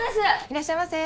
いらっしゃいませ。